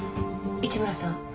市村さん。